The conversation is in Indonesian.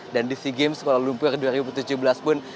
dan di sin games sekolah lumpur dua ribu tujuh belas pun